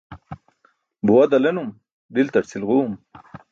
Buwa dalenum, diltar cilġuum.